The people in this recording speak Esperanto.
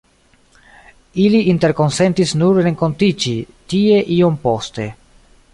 Ili interkonsentis nur renkontiĝi tie iom poste.